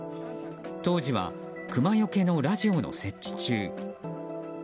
当時はクマよけのラジオの設置中。